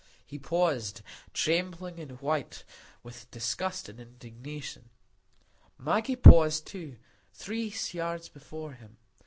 He paused, trembling and white with disgust and indignation. Maggie paused too, three yards before him.